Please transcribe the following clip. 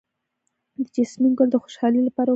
د جیسمین ګل د خوشحالۍ لپاره وکاروئ